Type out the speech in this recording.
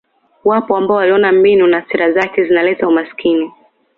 Wapo ambao waliona mbinu na sera zake zinaleta umasikini